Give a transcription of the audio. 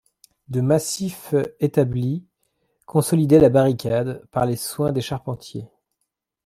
De massifs établis consolidaient la barricade, par les soins des charpentiers.